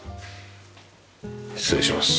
失礼します。